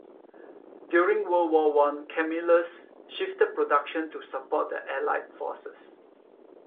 During World War One, Camillus shifted production to support the Allied forces.